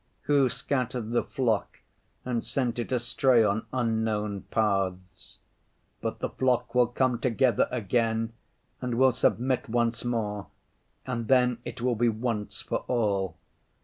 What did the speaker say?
Who scattered the flock and sent it astray on unknown paths? But the flock will come together again and will submit once more, and then it will be once for all.